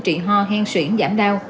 trị ho hen xuyển giảm đau